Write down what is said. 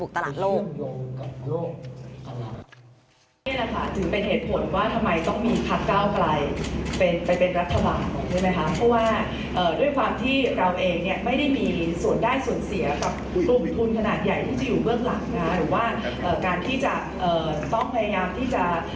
การสอบส่วนแล้วนะ